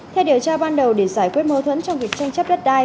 theo điều tra ban đầu để giải quyết mâu thuẫn trong việc tranh chấp đất đai